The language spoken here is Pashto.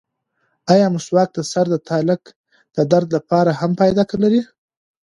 ایا مسواک د سر د تالک د درد لپاره هم فایده لري؟